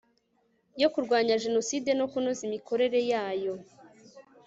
yo kurwanya jenoside no kunoza imikorere yayo